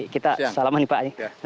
kita salamannya pak